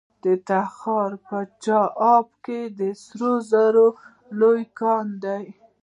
د تخار په چاه اب کې د سرو زرو لوی کان دی.